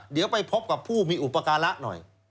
เดี๋ยวไปพบกับผู้มีอุปการะหน่อย